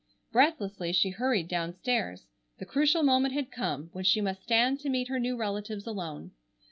Breathlessly she hurried downstairs. The crucial moment had come when she must stand to meet her new relatives alone.